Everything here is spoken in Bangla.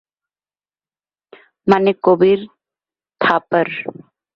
মানে কবির থাপার?